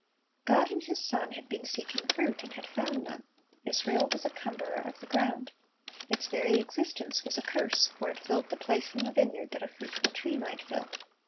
God in His Son had been seeking fruit, and had found none. Israel was a cumberer of the ground. Its very existence was a curse; for it filled the place in the vineyard that a fruitful tree might fill.